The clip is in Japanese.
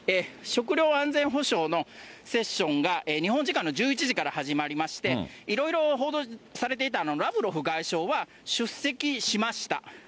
食料安全保障のセッションが日本時間の１１時から始まりまして、いろいろ報道されていたラブロフ外相は出席しました。